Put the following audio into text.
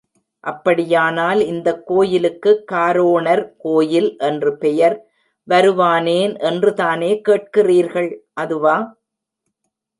அப்படியானால் இந்தக் கோயிலுக்குக் காரோணர் கோயில் என்று பெயர் வருவானேன் என்றுதானே கேட்கிறீர்கள், அதுவா?